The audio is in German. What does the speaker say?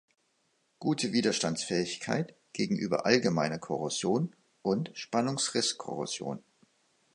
Gute Widerstandsfähigkeit gegenüber allgemeiner Korrosion und Spannungsrisskorrosion.